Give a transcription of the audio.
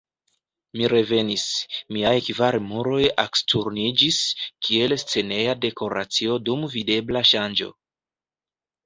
Mi revenis: miaj kvar muroj aksturniĝis, kiel sceneja dekoracio dum videbla ŝanĝo.